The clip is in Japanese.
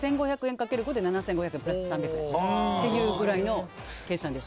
かける５で７５００円、プラス３００円というぐらいの計算です。